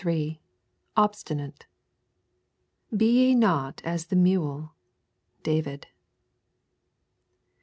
OBSTINATE 'Be ye not as the mule.' David.